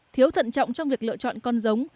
thiếu thận trọng trong việc lựa chọn con giống